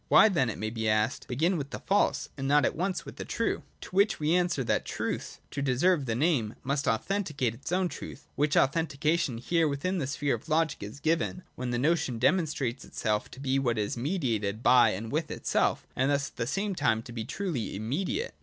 Why then, it may be asked, begin with the false and not at once with the true ? To which we answer that truth, to deserve the name, must authenticate its own truth : which authentication, here within the sphere of logic, is given, when the notion demonstrates itself to be what is mediated by and with itself, and thus at the same time to be truly immediate.